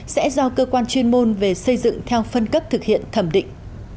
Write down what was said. sẽ do cơ quan chuyên môn về xây dựng theo phân cấp thực hiện thẩm định